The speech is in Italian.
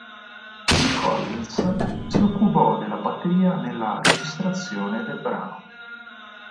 Phil Collins, si occupò della batteria nella registrazione del brano.